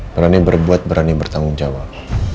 berani berbuat berani bertanggung jawab